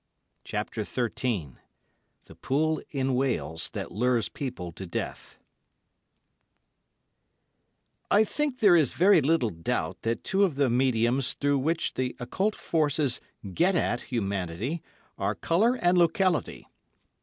CHAPTER XIII THE POOL IN WALES THAT LURES PEOPLE TO DEATH I think there is very little doubt that two of the mediums through which the occult forces "get at" humanity are colour and locality.